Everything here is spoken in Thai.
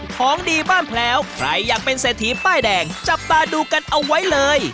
ของดีบ้านแพลวใครอยากเป็นเศรษฐีป้ายแดงจับตาดูกันเอาไว้เลย